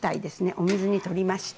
お水に取りまして。